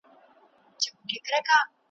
هر سړي ته خپله ورځ او قسمت ګوري ,